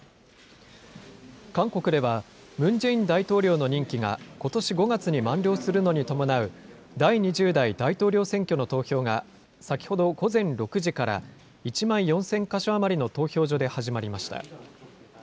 韓国では、ムン・ジェイン大統領の任期がことし５月に満了するのに伴う第２０代大統領選挙の投票が先ほど午前６時から、１万４０００か所余りの投票所で始まりました。